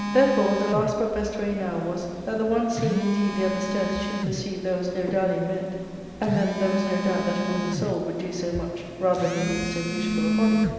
Therefore the last but best way now was, that the one seeing indeed the other's death should perceive there was no dallying meant ; and then there was no doubt that a woman's soul would do so much rather than leave so beautiful a body.